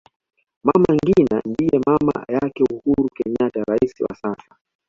mama ngina ndiye mama yake uhuru kenyatta rais wa sasa